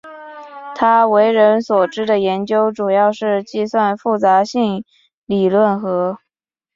他为人所知的研究主要是计算复杂性理论和。